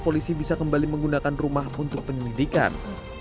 polisi bisa kembali menggunakan rumah untuk penyelidikan